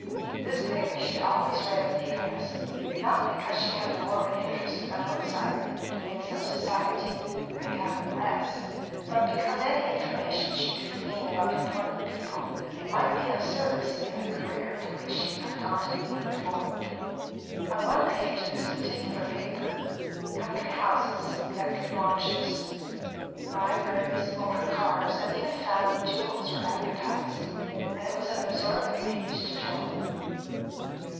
This paper she always read with eagerness; not because she had the morbid interest of an outsider in the doings of Society, with a capital S, but because any information she could glean about important people might be of service in the career to which she undauntedly looked forward. On one page of this particular paper, country houses, electric launches, libraries, motor cars, and even family jewels were advertised; and it was an absorbing page to Joan.